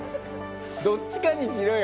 どっちかにしろよ